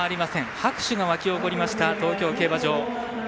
拍手が沸き起こりました東京競馬場。